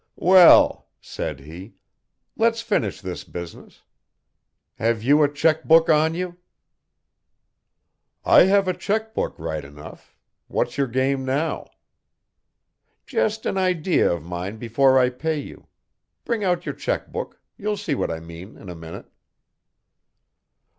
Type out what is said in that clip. "Well," said he, "let's finish this business. Have you a cheque book on you?" "I have a cheque book right enough what's your game now?" "Just an idea of mine before I pay you bring out your cheque book, you'll see what I mean in a minute."